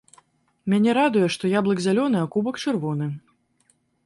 Мяне радуе, што яблык зялёны, а кубак чырвоны.